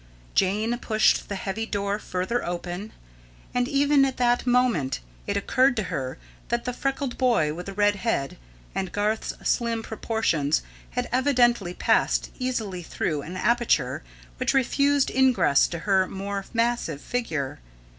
Jane pushed the heavy door further open, and even at that moment it occurred to her that the freckled boy with a red head, and Garth's slim proportions, had evidently passed easily through an aperture which refused ingress to her more massive figure.